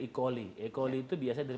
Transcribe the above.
e coli e coli itu biasanya dari